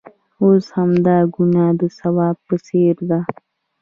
اوس همدا ګناه د ثواب په څېر ده.